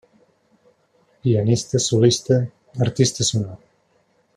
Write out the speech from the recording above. Pianista solista, artista sonor.